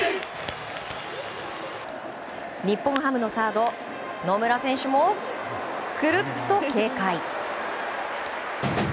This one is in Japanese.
日本ハムのサード、野村選手もくるっと軽快！